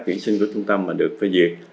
chuyển sinh của trung tâm mà được phê duyệt